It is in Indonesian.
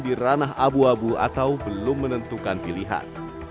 di ranah abu abu atau belum menentukan pilihan